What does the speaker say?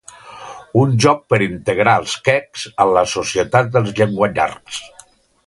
Un joc per integrar els quecs en la societat dels llenguallargs.